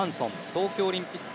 東京オリンピック